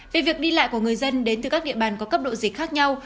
về việc đi lại của người dân đến từ các địa bàn có cấp độ dịch khác nhau